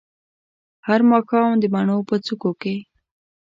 هر ماښام د بڼو په څوکو کې